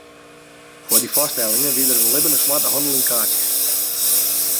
Foar dy foarstellingen wie der in libbene swarte handel yn kaartsjes.